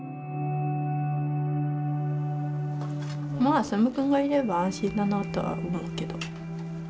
まあススム君がいれば安心だなとは思うけど。